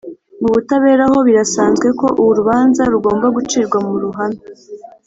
mu butabera ho birasanzwe ko urubanza rugombwa gucirwa mu ruhame.